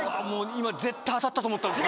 今絶対当たったと思ったのに。